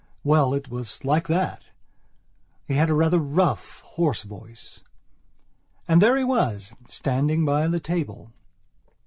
Well, it was like that. He had rather a rough, hoarse voice. And, there he was, standing by the table.